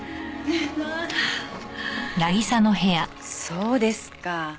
そうですか。